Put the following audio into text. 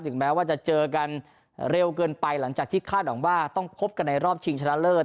แม้ว่าจะเจอกันเร็วเกินไปหลังจากที่คาดหวังว่าต้องพบกันในรอบชิงชนะเลิศ